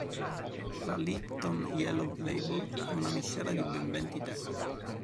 La Lipton Yellow Label è una miscela di ben venti tè.